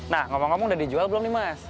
nah ngomong ngomong udah dijual belum nih mas